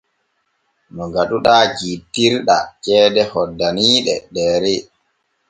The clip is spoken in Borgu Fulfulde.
No gaɗuɗaa jittirɗaa ceede hoddaniiɗe Deere.